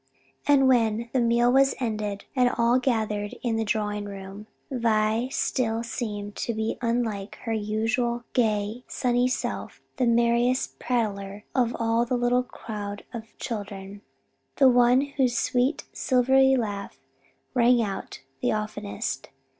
And when the meal was ended and all gathered in the drawing room, Vi still seemed to be unlike her usual gay, sunny self, the merriest prattler of all the little crowd of children, the one whose sweet silvery laugh rang out the oftenest.